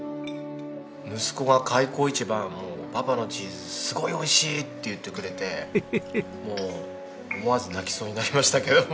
息子が開口一番「パパのチーズすごいおいしい」って言ってくれてもう思わず泣きそうになりましたけども。